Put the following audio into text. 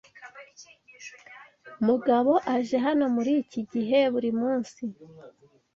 Mugabo aje hano muri iki gihe buri munsi.